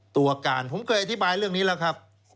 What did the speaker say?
ตัวการผมเคยอธิบายเรื่องนี้แล้วครับ